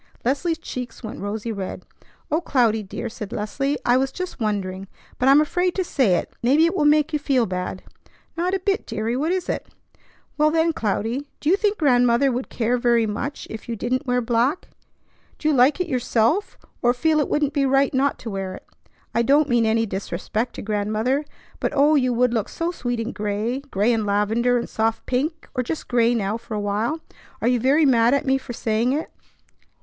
Leslie's cheeks went rosy red. "O Cloudy, dear," said Leslie, "I was just wondering. But I'm afraid to say it. Maybe it will make you feel bad." "Not a bit, deary; what is it?" "Well, then, Cloudy, do you think Grandmother would care very much if you didn't wear black? Do you like it yourself, or feel it wouldn't be right not to wear it? I don't mean any disrespect to Grandmother; but oh, you would look so sweet in gray, gray and lavender and soft pink, or just gray now for a while. Are you very mad at me for saying it?"